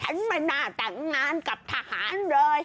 แทนไม่หน้าแต่งานกับทหารเลย